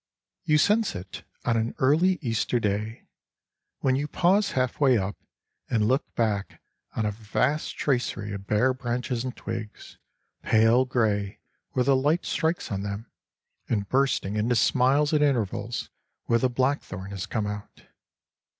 You sense it on an early Easter day, when you pause half way up, and look back on a vast tracery of bare branches and twigs, pale grey where the light strikes on them, and bursting into smiles at intervals where the blackthorn has come out.